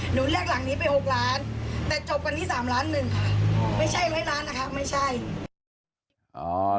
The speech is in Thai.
เรียกหลังนี้ไป๖ล้านแต่จบกันที่๓ล้านหนึ่งค่ะไม่ใช่ร้อยล้านนะคะไม่ใช่